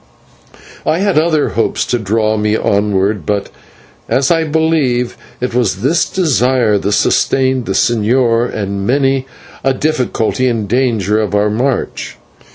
I had other hopes to draw me onward, but, as I believe, it was this desire that sustained the señor in many a difficulty and danger of our march.